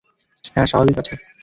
হ্যাঁ, স্বাভাবিক আছে।